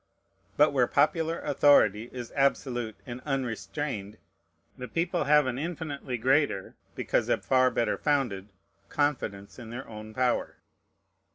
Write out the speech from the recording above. But where popular authority is absolute and unrestrained, the people have an infinitely greater, because a far better founded, confidence in their own power.